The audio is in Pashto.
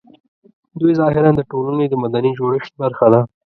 دوی ظاهراً د ټولنې د مدني جوړښت برخه ده